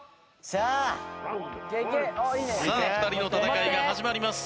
さあ２人の戦いが始まります。